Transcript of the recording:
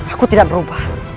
aku tidak berubah